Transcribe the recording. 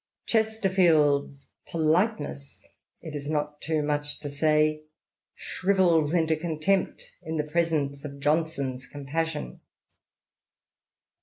Chesterfield's politeness — it IS rot too much to say — shrivels into contempt in the presence of Johnson's compassion.